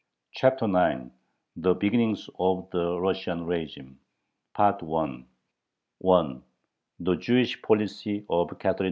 ] CHAPTER IX THE BEGINNINGS OF THE RUSSIAN RÉGIME 1. THE JEWISH POLICY OF CATHERINE II.